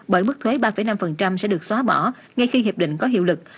bởi mức thuế ba năm sẽ được xóa bỏ ngay khi hiệp định có hiệu lực